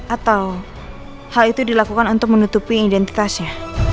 atau hal itu dilakukan untuk menutupi identitasnya